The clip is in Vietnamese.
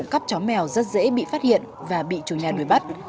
cắp chó mèo rất dễ bị phát hiện và bị chủ nhà đuổi bắt